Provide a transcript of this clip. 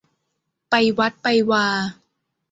ไปวัดไปวา